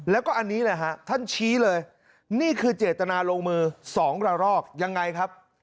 แล้วก็อันนี้แหละฮะท่านชี้เลยนี่คือเจตนาลงมือ๒ระรอกยังไงครับ